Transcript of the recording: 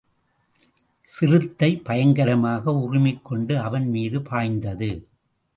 சிறுத்தை பயங்கரமாக உறுமிக் கொண்டு அவன் மீது பாய்ந்தது.